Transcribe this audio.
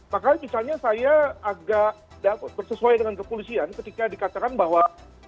makanya misalnya saya agak bersesuai dengan kepolisian ketika dikatakan bahwa